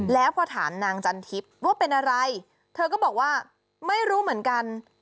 แล้วพอถามนางจันทิพย์ว่าเป็นอะไรเธอก็บอกว่าไม่รู้เหมือนกัน